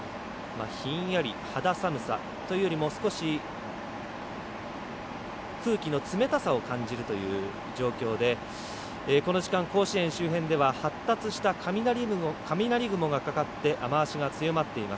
ひんやり、肌寒さというよりも少し空気の冷たさを感じるという状況の中でこの時間、甲子園周辺では発達した雷雲がかかって雨足が強まっています。